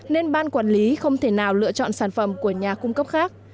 nên ban quản lý không thể nào lựa chọn sản phẩm của nhà cung cấp khác